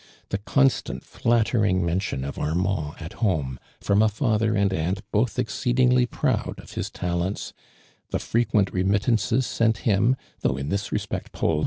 The constant flattering mention of Armand at homo from a fatlier and aunt both exceedingly proud of hi» talents, the frequent remittances sent him, though in this respoct Paul had no ARMAND DURAND.